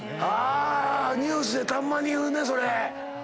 ニュースでたまに言うねそれ。